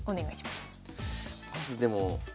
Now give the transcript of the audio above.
まずでも。